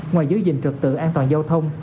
ngoài giới dịch trực tự an toàn giao thông